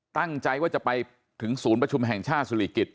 ตั้งใจว่าจะไปถึงศูนย์ประชุมแห่งชาติสุริกิจ